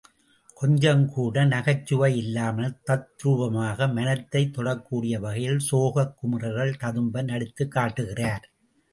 கொஞ்சங்கூட நகைச்சுவை இல்லாமல் தத்ரூபமாக மனத்தைத் தொடக்கூடிய வகையில் சோகக் குமுறல்கள் ததும்ப நடித்துக்காட்டுகிறார்.